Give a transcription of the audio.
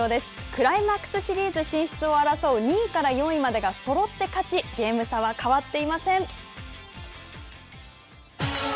クライマックスシリーズ進出を争う２位から４位までがそろって勝ち、ゲーム差は変わっていません。